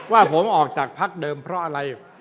ว่าผมออกจากพักเดิมเพราะอะไร